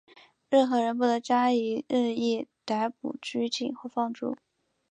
任何人不得加以任意逮捕、拘禁或放逐。